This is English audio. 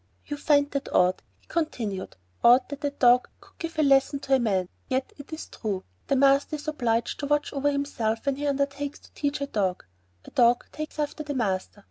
"You find that odd," he continued; "odd that a dog could give a lesson to a man, yet it is true. The master is obliged to watch over himself when he undertakes to teach a dog. The dog takes after the master.